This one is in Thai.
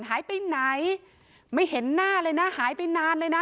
หายไปไหนไม่เห็นหน้าเลยนะหายไปนานเลยนะ